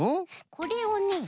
これをね